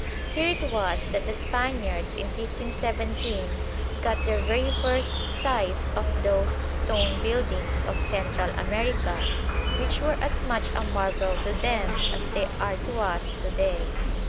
Here it was that the Spaniards in 1517 got their very first sight of those stone buildings of Central America which were as much a marvel to them as they are to us to day.